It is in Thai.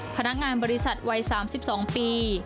พนักงานบริษัทวัย๓๒ปี